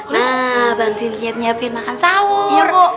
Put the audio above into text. nah bantuin siap siapin makan sawur